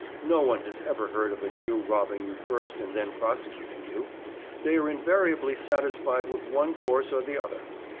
No one has ever heard of a Jew robbing you first and then prosecuting you; they are invariably satisfied with one course or the other.